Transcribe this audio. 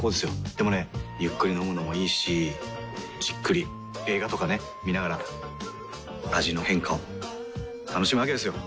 でもねゆっくり飲むのもいいしじっくり映画とかね観ながら味の変化を楽しむわけですよ。